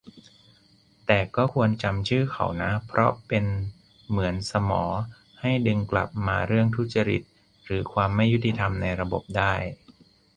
แต่ก็ควรจำชื่อเขานะ เพราะเป็นเหมือนสมอให้ดึงกลับมาเรื่องทุจริตหรือความไม่ยุติธรรมในระบบได้